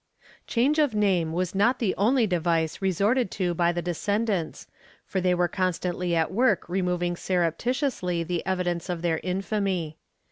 ^ Change of name was not the only device resorted to by the descendants, for they were constantly at work removing surrep titiously the evidence of their infamy.